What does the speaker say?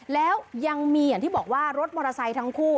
แล้วยังมีอย่างที่บอกว่ารถมอเตอร์ไซค์ทั้งคู่